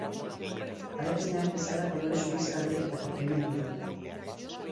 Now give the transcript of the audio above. Abere esneak bezala kolore zurixka du eta proteina iturri da.